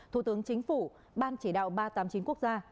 thủ tướng chính phủ ban chỉ đạo ba trăm tám mươi chín quốc gia